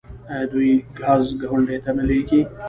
آیا دوی ګاز ګاونډیو ته نه لیږي؟